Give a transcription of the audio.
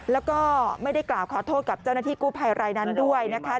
แล้วก็ไม่ได้กล่าวขอโทษกับเจ้าหน้าที่กู้ภัยรายนั้นด้วยนะคะ